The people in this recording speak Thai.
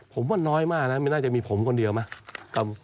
ผมว่าน้อยมากนะไม่น่าจะมีผมคนเดียวมั้ง